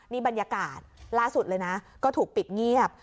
นี่บรรยากาศล่าสุดเลยนะก็ถูกปิดเงียบ